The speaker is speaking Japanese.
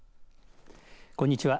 こんにちは。